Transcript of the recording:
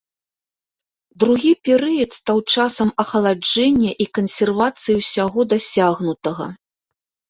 Другі перыяд стаў часам ахаладжэння і кансервацыі ўсяго дасягнутага.